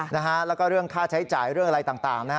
แล้วก็เรื่องค่าใช้จ่ายเรื่องอะไรต่างนะฮะ